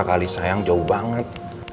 kalisayang jauh banget